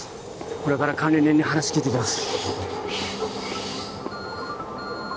これから管理人に話聞いてきます